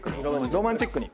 ロマンチックに。